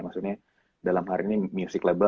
maksudnya dalam hari ini music label